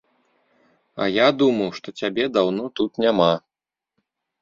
А я думаў, што цябе даўно тут няма.